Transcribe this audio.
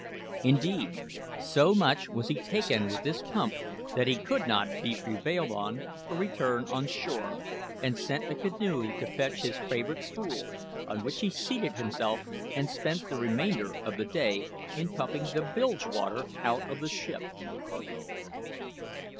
Indeed, so much was he taken up with this pump that he could not be prevailed on to return on shore, but sent a canoe to fetch his favourite stool, on which he seated himself, and spent the remainder of the day in pumping the bilge water out of the ship!